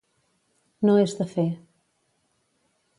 No és de fer.